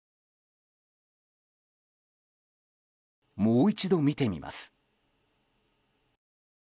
もう一度、見てみます。